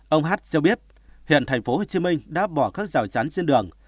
ông hát cho biết hiện tp hcm đã bỏ các rào chán trên đường